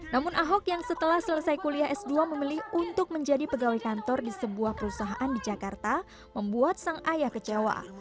namun ahok yang setelah selesai kuliah s dua memilih untuk menjadi pegawai kantor di sebuah perusahaan di jakarta membuat sang ayah kecewa